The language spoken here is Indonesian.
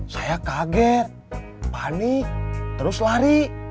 saya kaget panik terus lari